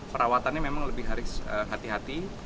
perawatannya memang lebih harus hati hati